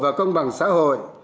và công bằng xã hội